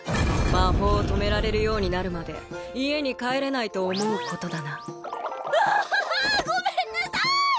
魔法を止められるようになるまで家に帰れないと思うことだなわごめんなさい